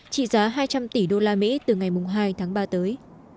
trị giá hai trăm linh tỷ usd từ ngày hai tháng ba tới